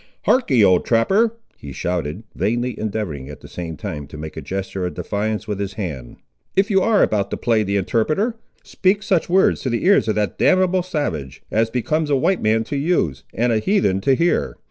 "Harkee, old trapper," he shouted, vainly endeavouring at the same time to make a gesture of defiance with his hand; "if you ar' about to play the interpreter, speak such words to the ears of that damnable savage, as becomes a white man to use, and a heathen to hear.